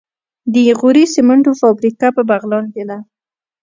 د غوري سمنټو فابریکه په بغلان کې ده.